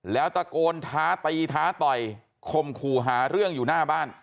แล้วตะโกนท้าตีท้าต่อยคมคู่หาเรื่องอยู่หน้าบ้าน